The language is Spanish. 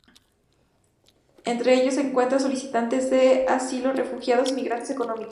Entre ellos se encuentra solicitantes de asilo, refugiados y migrantes económicos.